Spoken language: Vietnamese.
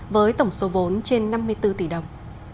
với tổng số vốn trên năm mươi bốn tỷ đồng